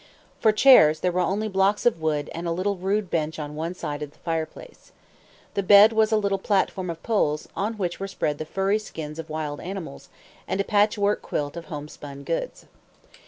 For chairs there were only blocks of wood and a rude bench on one side of the fireplace. The bed was a little platform of poles, on which were spread the furry skins of wild animals, and a patchwork quilt of homespun goods.